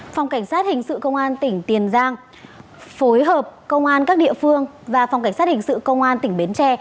phòng cảnh sát hình sự công an tỉnh tiền giang phối hợp công an các địa phương và phòng cảnh sát hình sự công an tỉnh bến tre